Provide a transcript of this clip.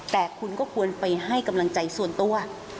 แต่คุณก็ควรไปให้กำลังใจส่วนตัว